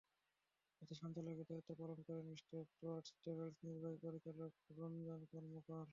এতে সঞ্চালকের দায়িত্ব পালন করেন স্টেপস্ টুয়ার্ডস ডেভেলপমেন্টের নির্বাহী পরিচালক রঞ্জন কর্মকার।